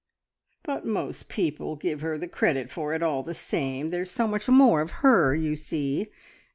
"But most people give her the credit for it, all the same. There's so much more of her, you see.